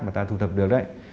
mà ta thu thập được đấy